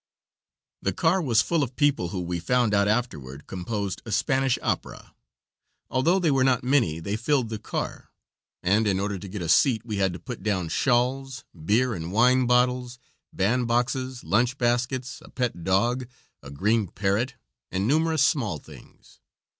The car was full of people who, we found out afterward, composed a Spanish opera troupe. Although they were not many they filled the car, and in order to get a seat we had to put down shawls, beer and wine bottles, band boxes, lunch baskets, a pet dog, a green parrot, and numerous small things.